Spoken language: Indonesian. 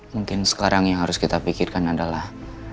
mungkin sekarang yang harus kita pikirkan adalah